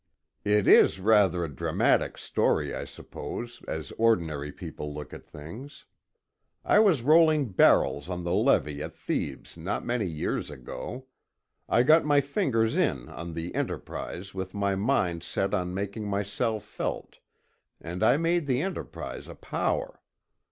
"It is rather a dramatic story, I suppose, as ordinary people look at things. I was rolling barrels on the levee at Thebes not many years ago. I got my fingers in on the Enterprise with my mind set on making myself felt, and I made the Enterprise a power.